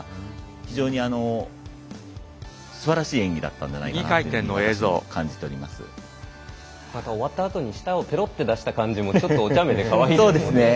非常に、すばらしい演技だったのではないかとまた終わったあとに舌をペロッと出した感じもお茶目でかわいいですよね。